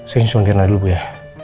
saya insul mirna dulu bu ya